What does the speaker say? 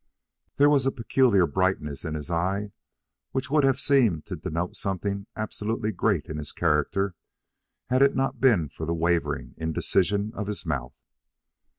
There was a peculiar brightness in his eye, which would have seemed to denote something absolutely great in his character had it not been for the wavering indecision of his mouth.